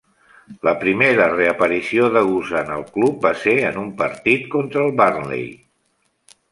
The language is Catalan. La primera reaparició de Guzan al club va ser en un partit contra el Burnley.